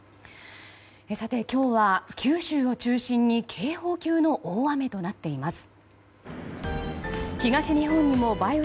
さて、今日は九州を中心に警報級の大雨となっています。